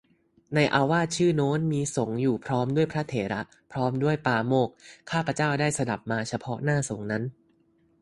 ในอาวาสชื่อโน้น มีสงฆ์อยู่พร้อมด้วยพระเถระ พร้อมด้วยปาโมกข์ ข้าพเจ้าได้สดับมาเฉพาะหน้าสงฆ์นั้น